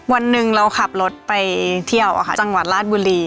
วันหนึ่งเราขับรถไปเที่ยวจังหวัดราชบุรี